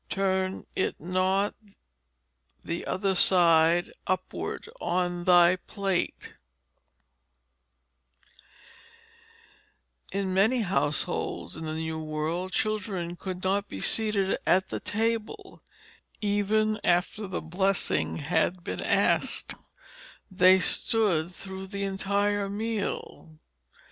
Title page of The School of Manners] In many households in the new world children could not be seated at the table, even after the blessing had been asked. They stood through the entire meal.